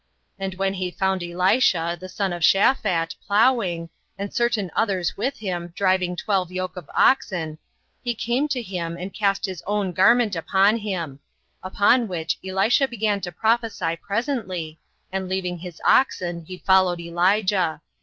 And when he found Elisha, the son of Shaphat, ploughing, and certain others with him, driving twelve yoke of oxen, he came to him, and cast his own garment upon him; upon which Elisha began to prophesy presently, and leaving his oxen, he followed Elijah.